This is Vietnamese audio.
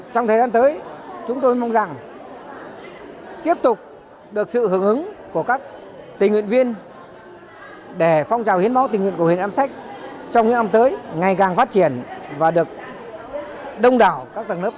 trong thời gian tới chúng tôi mong rằng tiếp tục được sự hưởng ứng của các tình nguyện viên để phong trào hiến máu tình nguyện của huyện nam sách trong những năm tới ngày càng phát triển và được đông đảo các đặc đốc nhân dân hưởng ứng